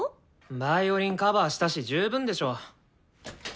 ヴァイオリンカバーしたし十分でしょ。